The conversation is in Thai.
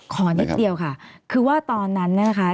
ขอนิดเดียวค่ะคือว่าตอนนั้นเนี่ยนะคะ